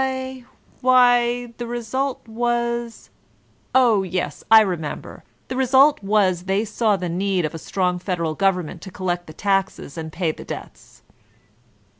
Why— why— the result was — Oh yes, I remember — ^the result was they saw the need of a strong federal government to coDect the taxes and pay the debts."